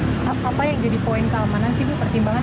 apa yang jadi poin keamanan sih bu pertimbangan